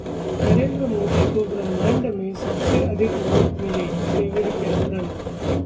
नरेंद्र मोदी को ब्रह्मांड में सबसे अधिक वोट मिले: डेविड कैमरन